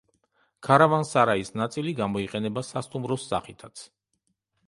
ქარავან-სარაის ნაწილი გამოიყენება სასტუმროს სახითაც.